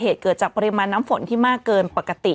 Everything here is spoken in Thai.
เหตุเกิดจากปริมาณน้ำฝนที่มากเกินปกติ